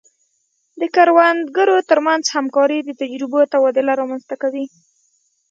د کروندګرو ترمنځ همکاري د تجربو تبادله رامنځته کوي.